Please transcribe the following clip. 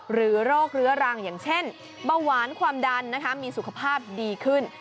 โรคเรื้อรังอย่างเช่นเบาหวานความดันมีสุขภาพดีขึ้น